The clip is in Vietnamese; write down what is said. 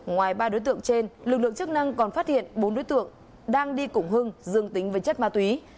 ngoài ba đối tượng trên lực lượng chức năng còn phát hiện bốn đối tượng đang đi cùng hưng dương tính với chất ma túy